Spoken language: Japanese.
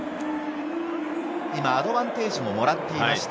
アドバンテージも、もらっていました。